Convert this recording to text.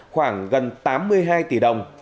khoảng gần tám mươi hai tỷ đồng